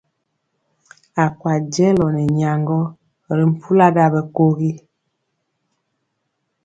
A kwa jɛlɔ nɛ nyaŋgɔ ri mpula ɗa ɓɛkogi.